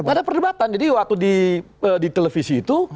gak ada perdebatan jadi waktu di televisi itu